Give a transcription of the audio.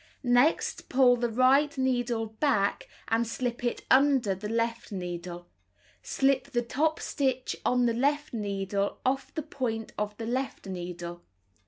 Next, pull the right needle back and slip it under the left needle. Slip the top stitch on the left needle off the point of the left needle.